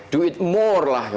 do it more lah